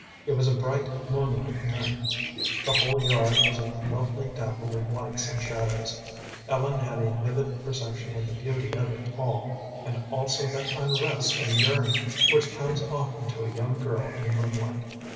It was a bright moonlight night; the whole yard was a lovely dapple of lights and shadows. Ellen had a vivid perception of the beauty of it all, and also that unrest and yearning which comes often to a young girl in moonlight.